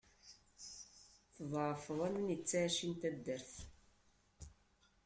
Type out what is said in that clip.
Tḍeɛfeḍ, am win ittɛicin taddart.